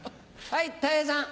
はい。